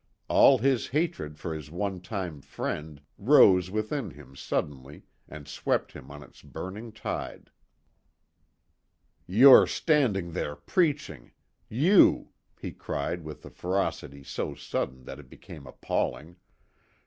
All his hatred for his one time friend rose within him suddenly, and swept him on its burning tide. "You stand there preaching! You!" he cried with a ferocity so sudden that it became appalling.